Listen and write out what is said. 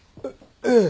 ええ。